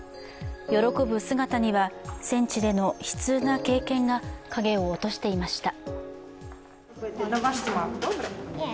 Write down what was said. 喜ぶ姿には戦地での悲痛な経験が影を落としていました。